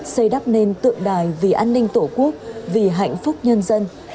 xây đắp nền tượng đài vì an ninh tổ quốc vì hạnh phúc nhân dân